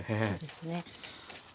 そうですね。